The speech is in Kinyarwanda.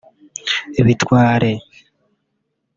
Bwitare